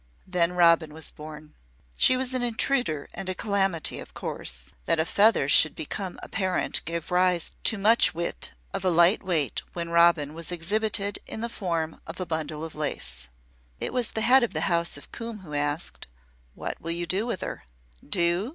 Then Robin was born. She was an intruder and a calamity, of course. That a Feather should become a parent gave rise to much wit of light weight when Robin was exhibited in the form of a bundle of lace. It was the Head of the House of Coombe who asked: "What will you do with her?" "Do?"